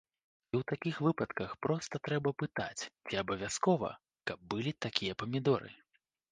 І ў такіх выпадках проста трэба пытаць, ці абавязкова, каб былі такія памідоры.